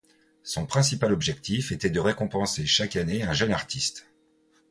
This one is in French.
Son principal objectif était de récompenser chaque année un jeune artiste.